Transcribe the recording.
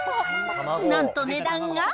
なんと値段が。